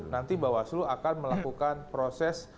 nanti bawaslu akan melakukan proses